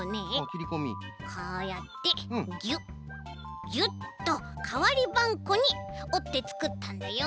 こうやってギュッギュッとかわりばんこにおってつくったんだよ。